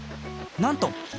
なんと！